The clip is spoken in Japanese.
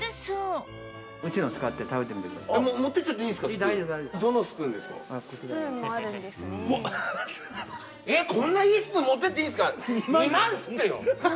えっこんないいスプーン持ってっていいんですか？